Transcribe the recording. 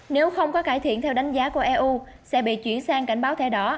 nếu không có cải thiện theo đánh giá của eu sẽ bị chuyển sang cảnh báo thẻ đó